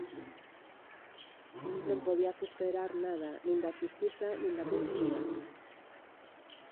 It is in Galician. Non podías esperar nada nin da xustiza nin da policía.